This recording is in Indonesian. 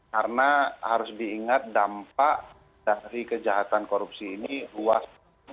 karena harus diingat dampak dari kejahatan korupsi ini luas